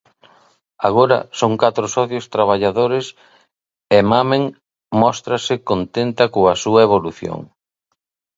Agora son catro socios traballadores e Mamen móstrase contenta coa súa evolución.